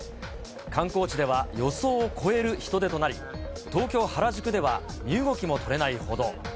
観光地では予想を超える人出となり、東京・原宿では身動きも取れないほど。